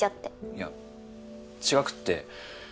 いや違くって。